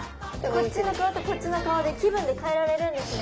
こっちの顔とこっちの顔で気分で変えられるんですね。